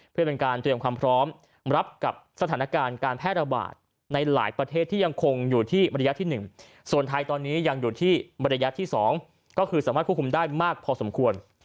เพื่อเป็นการเตรียมความพร้อมรับกับสถานการณ์การแพร่ระบาดในหลายประเทศที่ยังคงอยู่ที่ระยะที่๑ส่วนไทยตอนนี้ยังอยู่ที่ระยะที่๒ก็คือสามารถควบคุมได้มากพอสมควร